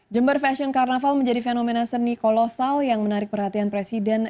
jember fashion carnaval menjadi fenomena seni kolosal yang menarik perhatian presiden